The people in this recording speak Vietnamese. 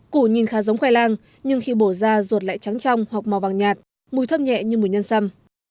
củ nhìn khá giống khoai lang nhưng khi bổ ra ruột lại trắng trong hoặc màu vàng nhạt mùi thơm nhẹ như mùi nhân sâm